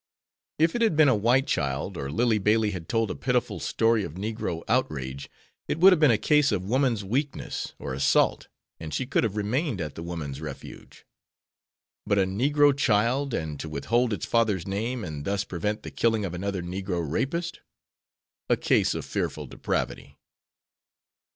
If it had been a white child or Lillie Bailey had told a pitiful story of Negro outrage, it would have been a case of woman's weakness or assault and she could have remained at the Woman's Refuge. But a Negro child and to withhold its father's name and thus prevent the killing of another Negro "rapist." A case of "fearful depravity."